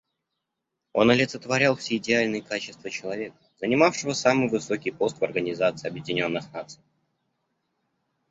Он олицетворял все идеальные качества человека, занимавшего самый высокий пост в Организации Объединенных Наций.